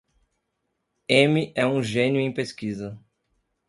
Amy é um gênio em pesquisa.